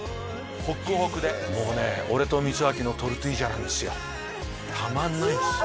ホクホクでもうね俺と光昭のトルティージャなんですよたまんないんですよ